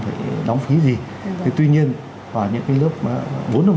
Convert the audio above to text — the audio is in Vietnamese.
phải đóng phí gì thì tuy nhiên vào những